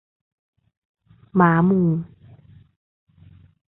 หมาหมู่